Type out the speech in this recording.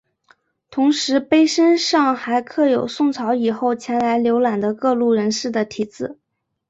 同时碑身上还刻有宋朝以后前来游览的各路人士的题字。